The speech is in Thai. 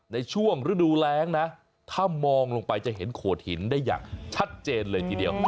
ในช่วงฤดูแรงนะถ้ามองลงไปจะเห็นโขดหินได้อย่างชัดเจนเลยทีเดียว